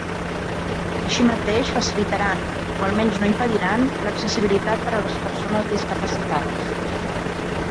Així mateix facilitaran, o almenys no impediran, l'accessibilitat per a les persones discapacitades.